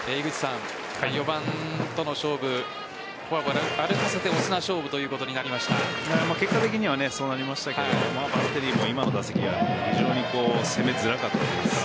４番との勝負フォアボール、歩かせてオスナ勝負ということに結果的にはそうなりましたけれどもバッテリーも今の打席が非常に攻めづらかったというか。